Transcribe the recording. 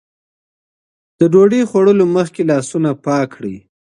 د ډوډۍ خوړلو مخکې لاسونه پاک کړئ.